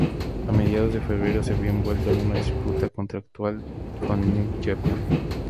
A mediados de febrero, se vio envuelto en una disputa contractual con New Japan.